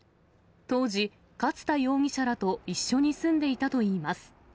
当時、勝田容疑者らと一緒に住んでいたといいます。